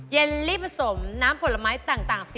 เยลลี่ผสมน้ำผลไม้ต่าง๑๐